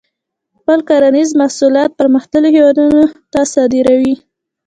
خپل کرنیز محصولات پرمختللو هیوادونو ته صادروي.